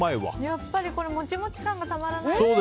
やっぱりモチモチ感がたまらない。